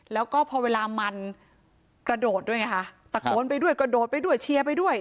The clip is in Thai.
แล้วก็พอเวลามันกระโดดด้วยไงคะตะโกนไปด้วยกระโดดไปด้วยเชียร์ไปด้วย